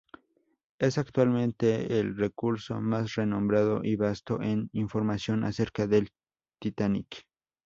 Es actualmente el recurso más renombrado y vasto con información acerca del "Titanic".